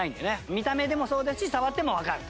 見た目でもそうですし触ってもわかると。